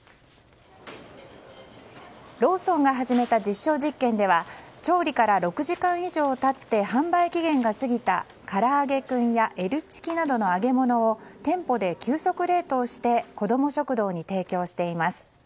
ローソンが始めた実証実験では調理から６時間以上経って販売期限が過ぎたからあげクンやＬチキなどの揚げ物を店舗で急速冷凍して子ども食堂に提供しています。